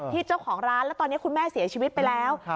เจ้าของร้านแล้วตอนนี้คุณแม่เสียชีวิตไปแล้ว